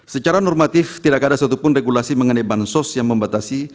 secara normatif tidak ada satupun regulasi mengenai bansos yang membatasi